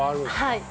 はい。